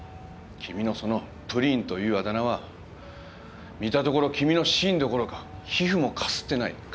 君のその「ぷりん」というあだ名は見たところ君の芯どころか皮膚もかすってない。